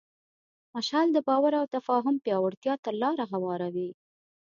مشعل د باور او تفاهم پیاوړتیا ته لاره هواروي.